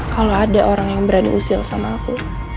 kalau ada orang yang berani usil sama aku